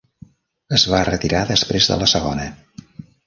Es va retirar després de la segona.